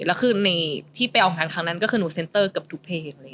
แล้วคือในที่ไปออกงานครั้งนั้นก็คือหนูเซ็นเตอร์เกือบทุกเพลง